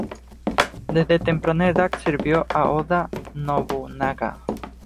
Desde temprana edad sirvió a Oda Nobunaga.